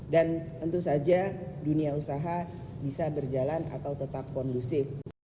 dan tentu saja dunia usaha bisa berjalan atau tetap kondusif